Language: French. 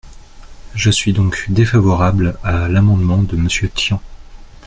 Je suis donc défavorable à l’amendement de Monsieur Tian.